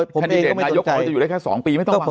ผมบอกแล้วว่า